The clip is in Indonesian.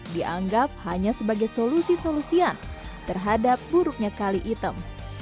dianggap hanya sebagai solusi solusian terhadap buruknya kali item